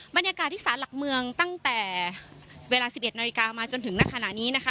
บรรยากาศที่สารหลักเมืองตั้งแต่เวลา๑๑นาฬิกามาจนถึงณขณะนี้นะคะ